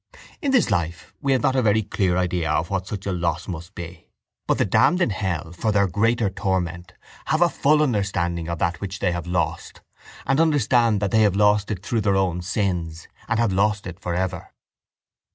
In this life we have not a very clear idea of what such a loss must be, but the damned in hell, for their greater torment, have a full understanding of that which they have lost, and understand that they have lost it through their own sins and have lost it for ever.